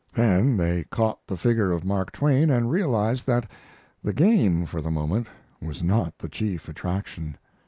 Then they caught the figure of Mark Twain and realized that the game, for the moment, was not the chief attraction.